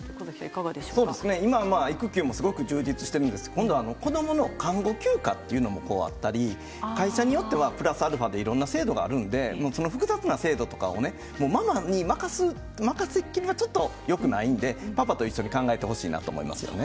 今、育休もすごく充実してるんですが今後、子どもの看護休暇というものだったり会社によってはプラスアルファでいろんな制度があるんで複雑な制度とかもママに任せきりがちょっとよくないのでパパと一緒に考えてほしいなと思います。